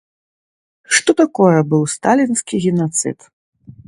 Што такое быў сталінскі генацыд?